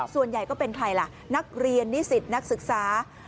ส่วนใหญ่ก็เป็นใครล่ะนักเรียนนิสิตนักศึกษา